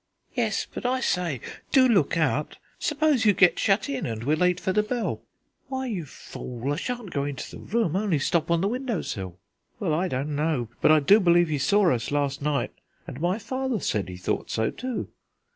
"Yes, but, I say, do look out: suppose you get shut in and we're late for the bell?" "Why, you fool, I shan't go into the room, only stop on the window sill." "Well, I don't know, but I do believe he saw us last night, and my father said he thought so too."